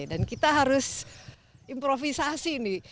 dan kita harus improvisasi nih